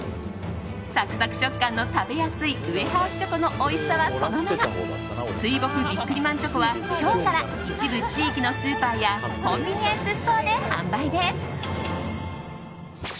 サクサク食感の食べやすいウエハースチョコのおいしさはそのまま水墨ビックリマンチョコは今日から一部地域のスーパーやコンビニエンスストアで発売です。